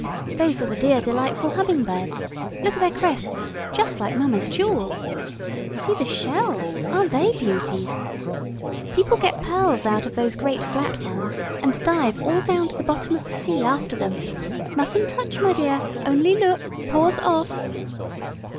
Those are the dear delightful humming birds; look at their crests, just like Mamma's jewels. See the shells; aren't they beauties? People get pearls out of those great flat ones, and dive all down to the bottom of the sea after them; mustn't touch, my dear, only look; paws off."